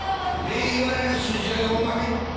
礼言われる筋合いはおまへん。